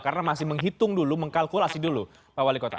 karena masih menghitung dulu mengkalkulasi dulu pak wali kota